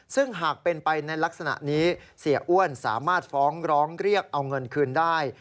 ซึ่งหากเป็นไปในลักษณะนี้เสียอ้วนสามารถฟ้องร้องเรียกเอาเงินคืนได้